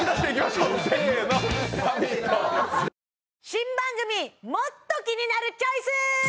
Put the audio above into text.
新番組もっとキニナルチョイス！